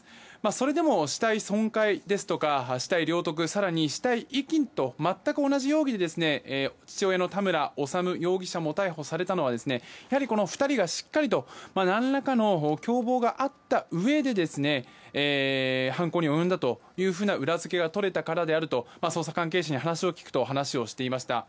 それでも、死体損壊や死体領得更に死体遺棄と全く同じ容疑で父親の田村修容疑者も逮捕されたのはこの２人がしっかりと何らかの共謀があったうえで犯行に及んだという裏付けが取れたからであると捜査関係者に話を聞くと話をしていました。